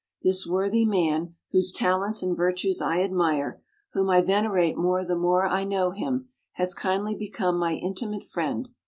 This worthy man, whose talents and virtues I admire, whom I venerate more the more I know him, has kindly become my intimate friend....